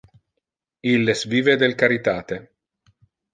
Illes vive del caritate.